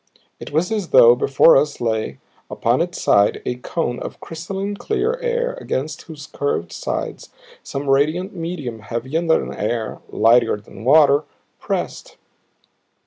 It was as though before us lay, upon its side, a cone of crystalline clear air against whose curved sides some radiant medium heavier than air, lighter than water, pressed.